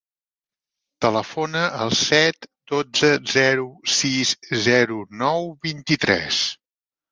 Telefona al set, dotze, zero, sis, zero, nou, vint-i-tres.